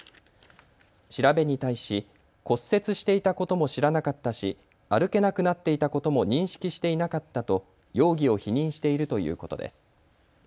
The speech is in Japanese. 調べに対し、骨折していたことも知らなかったし歩けなくなっていたことも認識していなかったと容疑を否認しているということです。